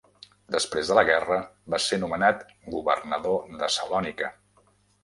Després de la guerra va ser nomenat governador de Salònica.